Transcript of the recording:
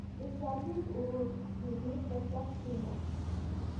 د چارلېز ورور جېمز پر تخت کېناست.